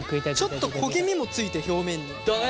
ちょっと焦げ目も付いて表面に。だね。